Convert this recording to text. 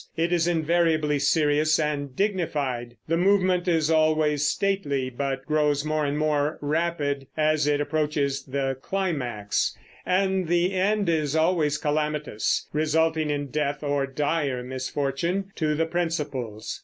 It is invariably serious and dignified. The movement is always stately, but grows more and more rapid as it approaches the climax; and the end is always calamitous, resulting in death or dire misfortune to the principals.